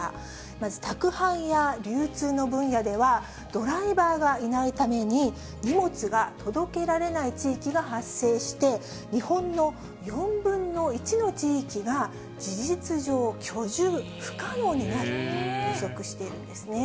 まず宅配や流通の分野では、ドライバーがいないために、荷物が届けられない地域が発生して、日本の４分の１の地域が、事実上、居住不可能になると予測しているんですね。